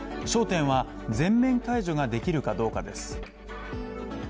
焦点は全面解除ができるかどうかです。